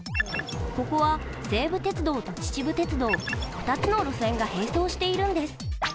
ここは、西武鉄道と秩父鉄道２つの路線が並走しているんです。